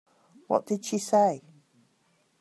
What did she say?